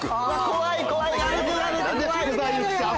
怖い怖い！